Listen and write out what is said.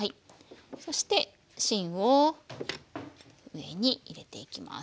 そして芯を上に入れていきます。